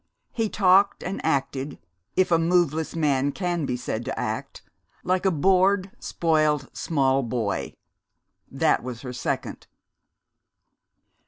He talked and acted, if a moveless man can be said to act, like a bored, spoiled small boy. That was her second.